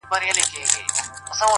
په دنیا کي چي د چا نوم د سلطان دی،